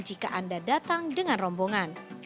jika anda datang dengan rombongan